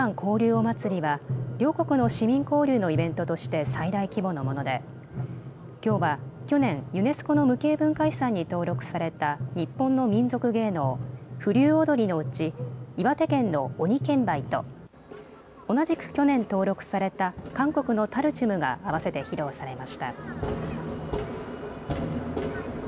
おまつりは両国の市民交流のイベントとして最大規模のものできょうは去年、ユネスコの無形文化遺産に登録された日本の民俗芸能、風流踊のうち岩手県の鬼剣舞と同じく去年、登録された韓国のタルチュムがあわせて披露されました。